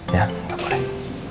ya gak boleh